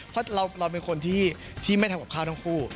เพราะเราเป็นคนที่ไม่ทำกับข้าวทั้งคู่